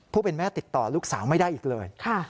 ผู้เป็นแม่ติดต่อลูกสาวไม่ได้อีกเลย